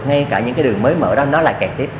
ngay cả những cái đường mới mở đó nó lại kẹt tiếp